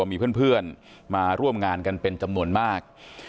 มีเพื่อนมาร่วมงานกันเป็นจำนวนมาก